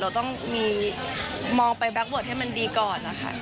เราต้องมีมองไปแบ็คเวิร์ดให้มันดีก่อนนะคะ